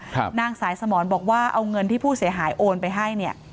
นางสายสมรบอกว่าเอาเงินที่ผู้เสียหายโอนไปให้เนี่ย